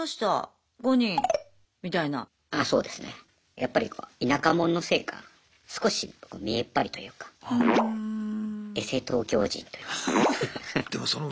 やっぱりこう田舎者のせいか少し見えっ張りというかエセ東京人というか。